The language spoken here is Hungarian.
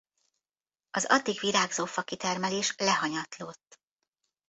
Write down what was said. Az addig virágzó fakitermelés lehanyatlott.